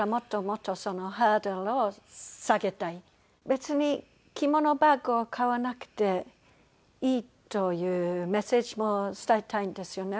別に着物バッグを買わなくていいというメッセージも伝えたいんですよね